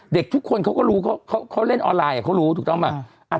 เด็กทุกคนเขาก็รู้เขาเล่นออนไลน์เขารู้ถูกต้องไหม